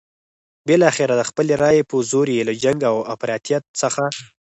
بالاخره د خپلې رايې په زور یې له جنګ او افراطیت څخه.